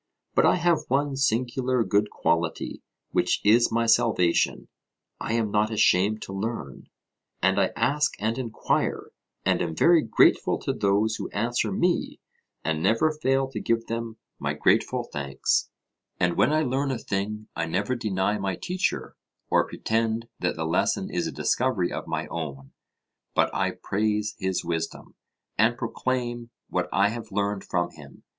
But I have one singular good quality, which is my salvation; I am not ashamed to learn, and I ask and enquire, and am very grateful to those who answer me, and never fail to give them my grateful thanks; and when I learn a thing I never deny my teacher, or pretend that the lesson is a discovery of my own; but I praise his wisdom, and proclaim what I have learned from him.